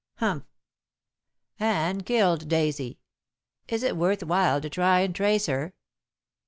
Humph! Anne killed Daisy. Is it worth while to try and trace her?"